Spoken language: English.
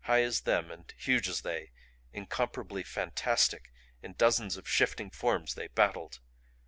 High as them, as huge as they, incomparably fantastic, in dozens of shifting forms they battled.